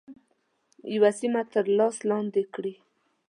یوه سیمه تر لاس لاندي کړي.